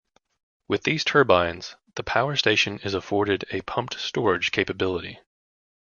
With these turbines, the power station is afforded a pumped-storage capability.